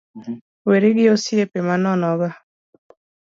Weri gi osiepe manono go